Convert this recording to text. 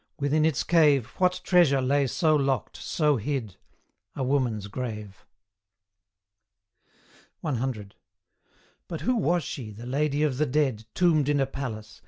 within its cave What treasure lay so locked, so hid? A woman's grave. C. But who was she, the lady of the dead, Tombed in a palace?